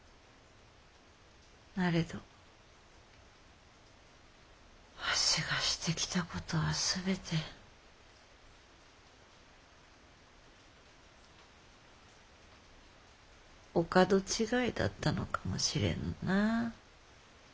なれどわしがしてきたことは全てお門違いだったのかもしれぬな。